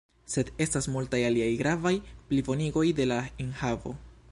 Sed estas multaj aliaj gravaj plibonigoj de la enhavo.